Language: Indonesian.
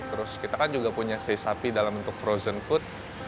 terus kita kan juga punya si sapi dalam bentuk frozen food